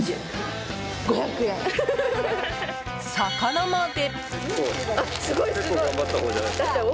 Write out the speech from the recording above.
魚まで。